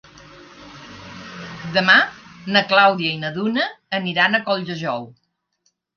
Demà na Clàudia i na Duna aniran a Colldejou.